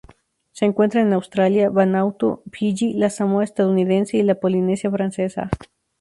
Se encuentra en Australia, Vanuatu, Fiyi, la Samoa Estadounidense y la Polinesia Francesa.